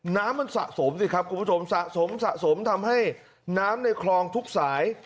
น้ำมันสะสมสิครับคุณผู้ชมสะสมสะสมทำให้น้ำในคลองทุกสาย